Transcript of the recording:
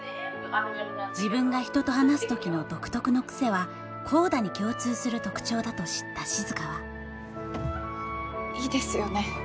自分が人と話す時の独特の癖はＣＯＤＡに共通する特徴だと知った静はいいですよね